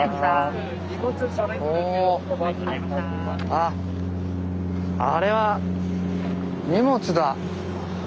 あっあれは荷物だ。